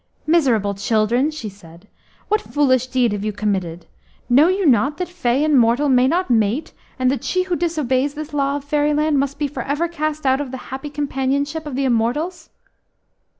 "Miserable children," she said, "what foolish deed have you committed? Know you not that fay and mortal may not mate, and that she who disobeys this law of fairyland must be for ever cast out from the happy companionship of the immortals?"